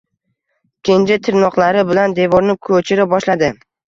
Kenja tirnoqlari bilan devorni ko‘chira boshladi.